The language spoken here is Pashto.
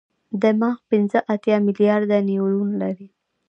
دماغ پنځه اتیا ملیارده نیورون لري.